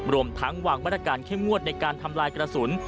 รวมทั้งวางมาตรการเข้มงวดในการทำลายกระสุน